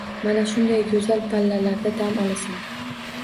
Mana shunday goʻzal pallalarda dam olasan